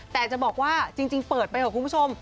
แต่จะบอกว่าจริงเปิดไปเถอะคุณผู้ชม